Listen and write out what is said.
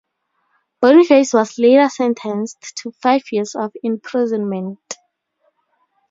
Boniface was later sentenced to five years of imprisonment.